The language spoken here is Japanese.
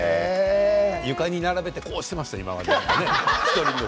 床に並べてこうしていました、今まで。